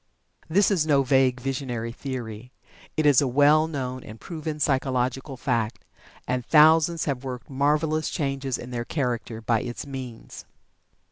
This is no vague, visionary theory. It is a well known and proven psychological fact, and thousands have worked marvelous changes in their character by its means.